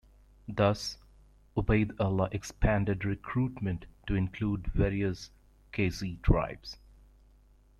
Thus, Ubayd Allah expanded recruitment to include various Qaysi tribes.